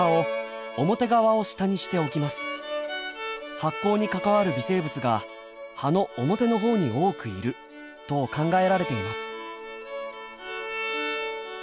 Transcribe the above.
発酵に関わる微生物が葉の表のほうに多くいると考えられています。